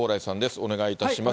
お願いします。